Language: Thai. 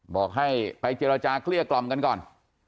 บอกให้ไปเจรจาเกลี้ยกล่อมกันก่อน